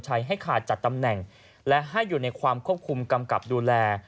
ให้ขาดจัดตำแหน่งและให้อยู่ในความควบคุมกำกับดูแล